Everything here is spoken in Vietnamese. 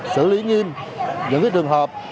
xử lý nghiêm những trường hợp